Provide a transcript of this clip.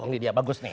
ini dia bagus nih